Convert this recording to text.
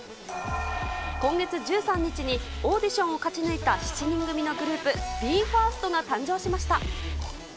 今月１３日にオーディションを勝ち抜いた７人組のグループ、ＢＥ：ＦＩＲＳＴが誕生しました。